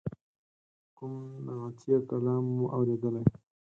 کوم نعتیه کلام مو اوریدلی.